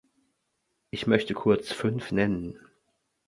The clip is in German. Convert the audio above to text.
Ich möchte kurz fünf nennen.